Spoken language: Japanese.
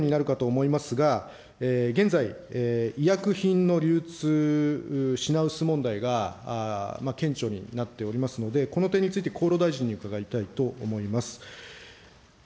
残り時間、僅かになってきましたので、最後になるかと思いますが、現在、医薬品の流通、品薄問題が顕著になっておりますので、この点について厚労大臣に伺いたいと思います。